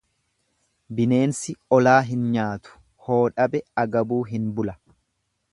Bineensi olaa hin nyaatu, hoo dhabe agabuu hin bula.